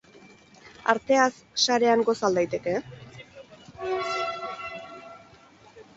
Arteaz sarean goza al daiteke?